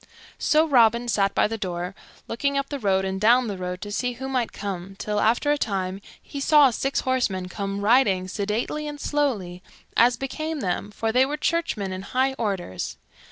So Robin sat by the door, looking up the road and down the road to see who might come, till, after a time, he saw six horsemen come riding sedately and slowly, as became them, for they were churchmen in high orders.